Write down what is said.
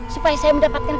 supaya saya mendapatkan